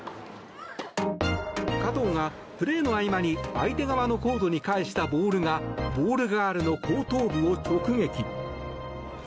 加藤がプレーの合間に相手側のコートに返したボールがボールガールの後頭部を直撃。